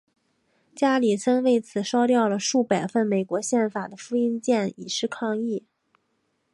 加里森为此烧掉了数百份美国宪法的复印件以示抗议。